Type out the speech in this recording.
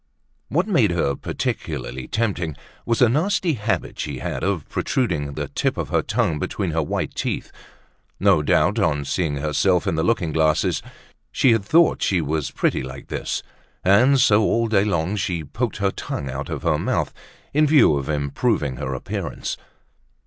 What made her particularly tempting was a nasty habit she had of protruding the tip of her tongue between her white teeth. No doubt on seeing herself in the looking glasses she had thought she was pretty like this; and so, all day long, she poked her tongue out of her mouth, in view of improving her appearance.